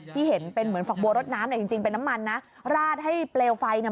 ที่เห็นเป็นเหมือนฝักบัวรถน้ำเนี่ยจริงจริงเป็นน้ำมันนะราดให้เปลวไฟเนี่ย